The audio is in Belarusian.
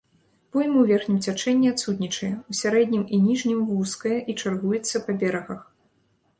Пойма ў верхнім цячэнні адсутнічае, у сярэднім і ніжнім вузкая і чаргуецца па берагах.